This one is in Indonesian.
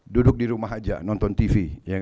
duduk di rumah aja nonton tv